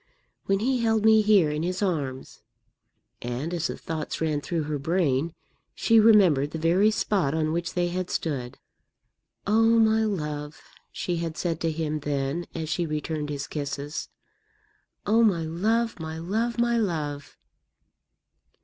When he held me here in his arms" and, as the thoughts ran through her brain, she remembered the very spot on which they had stood "oh, my love!" she had said to him then as she returned his kisses "oh, my love, my love, my love!"